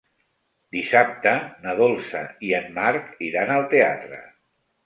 Dissabte na Dolça i en Marc iran al teatre.